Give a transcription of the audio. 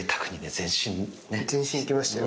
全身行きましたよ。